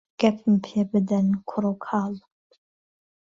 گهپم پی بدەن کوڕ و کاڵ